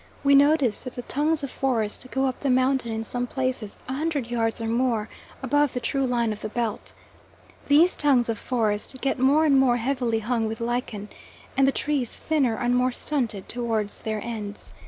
We notice that the tongues of forest go up the mountain in some places a hundred yards or more above the true line of the belt. These tongues of forest get more and more heavily hung with lichen, and the trees thinner and more stunted, towards their ends.